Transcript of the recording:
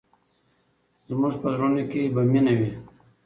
زموږ په زړونو کې به مینه وي.